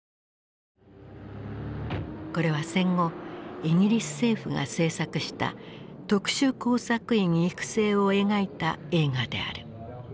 これは戦後イギリス政府が製作した特殊工作員育成を描いた映画である。